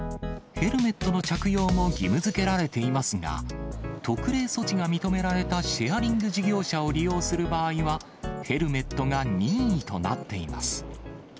ヘルメットの着用も義務づけられていますが、特例措置が認められたシェアリング事業者を利用する場合は、ヘルメットが任意となっています。